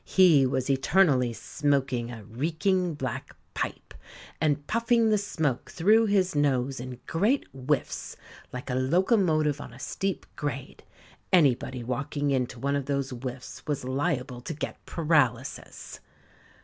He was eternally smoking a reeking black pipe, and puffing the smoke through his nose in great whiffs, like a locomotive on a steep grade. Anybody walking into one of those whiffs was liable to get paralysis.